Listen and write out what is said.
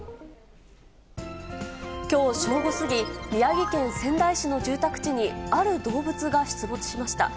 きょう正午過ぎ、宮城県仙台市の住宅地にある動物が出没しました。